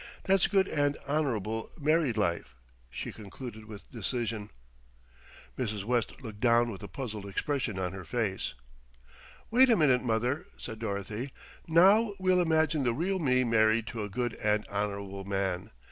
That's good and honourable married life," she concluded with decision. Mrs. West looked down with a puzzled expression on her face. "Wait a minute, mother," said Dorothy. "Now we'll imagine the real me married to a good and honourable man.